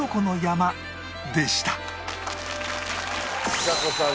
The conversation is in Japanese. ちさ子さん